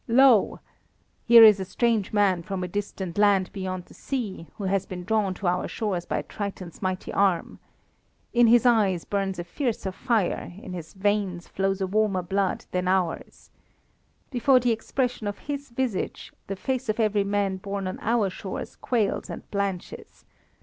"Lo! here is a strange man from a distant land beyond the sea, who has been drawn to our shores by Triton's mighty arm. In his eyes burns a fiercer fire, in his veins flows a warmer blood than ours. Before the expression of his visage the face of every man born on our shores quails and blanches.